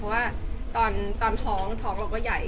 เพราะว่าต้องเขามาเยี่ยว